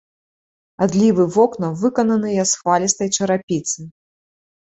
Адлівы вокнаў выкананыя з хвалістай чарапіцы.